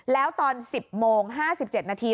แล้วตอน๑๐โมง๕๗นาที